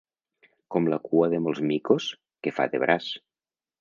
Com la cua de molts micos, que fa de braç.